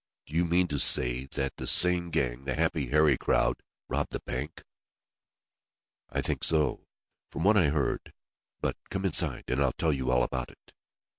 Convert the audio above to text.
Do you mean to say that the same gang the Happy Harry crowd robbed the bank?" "I think so, from what I heard. But come inside and I'll tell you all about it."